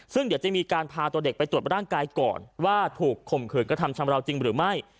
ซึ่งเดี๋ยวจะมีการพาตัวเด็กไปตรวจร่างกายก่อนว่าถูกข่มขืนกระทำชำราวจริงหรือไม่